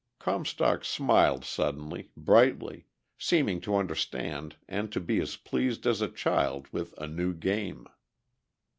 Comstock smiled suddenly, brightly, seeming to understand and to be as pleased as a child with anew game.